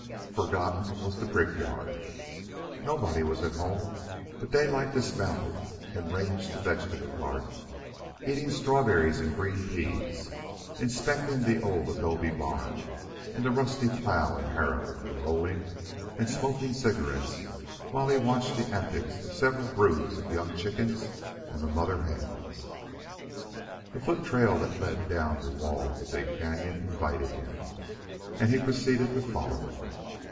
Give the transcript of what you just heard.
Forgotten was the brickyard. Nobody was at home, but Daylight dismounted and ranged the vegetable garden, eating strawberries and green peas, inspecting the old adobe barn and the rusty plough and harrow, and rolling and smoking cigarettes while he watched the antics of several broods of young chickens and the mother hens. A foottrail that led down the wall of the big canyon invited him, and he proceeded to follow it.